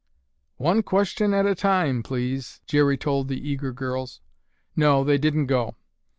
"One question at a time, please," Jerry told the eager girls. "No, they didn't go.